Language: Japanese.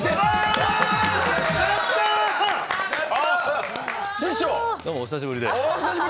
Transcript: あっ、師匠どうもお久しぶりです。